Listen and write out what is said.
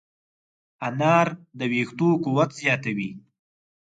انار د ویښتو قوت زیاتوي.